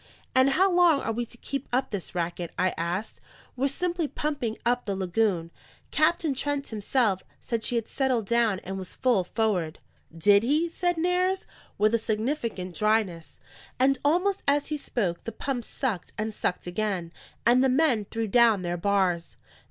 "And how long are we to keep up this racket?" I asked. "We're simply pumping up the lagoon. Captain Trent himself said she had settled down and was full forward." "Did he?" said Nares, with a significant dryness. And almost as he spoke the pumps sucked, and sucked again, and the men threw down their bars.